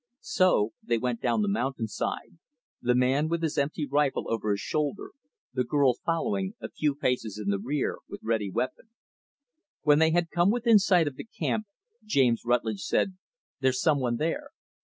So they went down the mountainside the man with his empty rifle over his shoulder; the girl following, a few paces in the rear, with ready weapon. When they had come within sight of the camp, James Rutlidge said, "There's some one there."